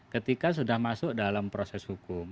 ketika sudah masuk dalam proses hukum